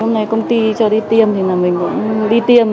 hôm nay công ty cho đi tiêm thì mình cũng đi tiêm